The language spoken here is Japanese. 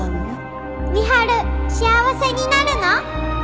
深春幸せになるの？